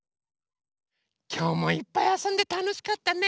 きょうもいっぱいあそんでたのしかったね。